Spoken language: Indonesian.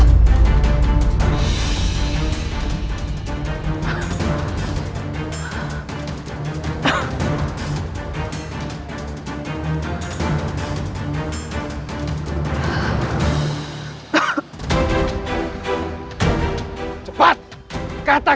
sugestimu baik baik saja